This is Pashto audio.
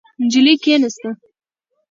نجلۍ کېناسته.